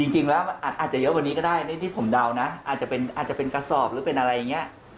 จริงแล้วอาจจะเยอะกว่านี้ก็ได้ที่ผมเดานะอาจจะเป็นกระสอบหรือเป็นอะไรอย่างนี้